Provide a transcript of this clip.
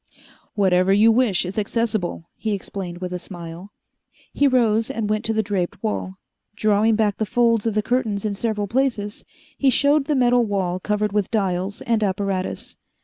"Whatever you wish is accessible," he explained with a smile. He rose and went to the draped wall. Drawing back the folds of the curtains in several places, he showed the metal wall covered with dials and apparatus.